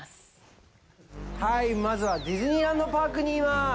ハーイ、まずはディズニーランド・パークにいます！